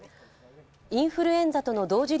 インフルエンザとの同時